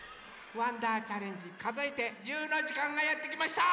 「わんだーチャレンジかぞえて１０」のじかんがやってきました！